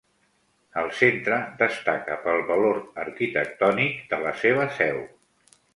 El centre destaca pel valor arquitectònic de la seva seu.